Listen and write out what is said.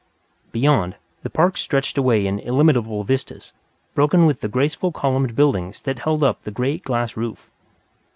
Beyond, the park stretched away in illimitable vistas, broken with the graceful columned buildings that held up the great glass roof.